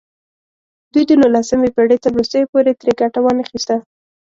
دوی د نولسمې پېړۍ تر وروستیو پورې ترې ګټه وانخیسته.